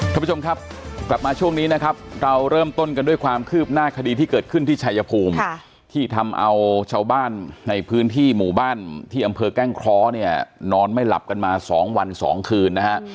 ท่านผู้ชมครับกลับมาช่วงนี้นะครับเราเริ่มต้นกันด้วยความคืบหน้าคดีที่เกิดขึ้นที่ชายภูมิที่ทำเอาชาวบ้านในพื้นที่หมู่บ้านที่อำเภอแก้งเคราะห์เนี่ยนอนไม่หลับกันมา๒วัน๒คืนนะฮะ